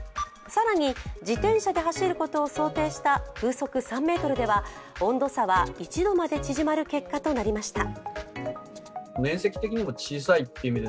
更に自転車で走ることを想定した風速３メートルでは温度差は１度まで縮まる結果となりました。